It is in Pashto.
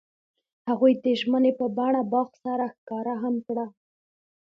هغوی د ژمنې په بڼه باغ سره ښکاره هم کړه.